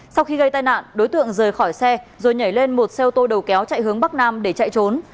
sau khi gây tai nạn đối tượng rời khỏi xe rồi nhảy lên một xe ô tô đầu kéo chạy hướng bắc nam để chạy trốn